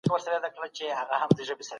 دا اپلیکیشن په موبایل کي هم کار کوي.